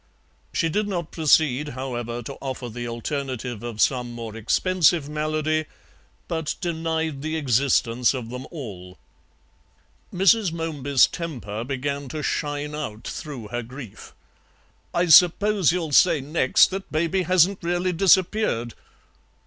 She did not proceed, however, to offer the alternative of some more expensive malady, but denied the existence of them all. Mrs. Momeby's temper began to shine out through her grief. "I suppose you'll say next that Baby hasn't really disappeared."